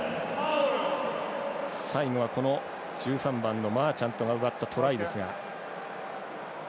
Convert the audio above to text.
最後は１３番のマーチャントが奪ったトライですが。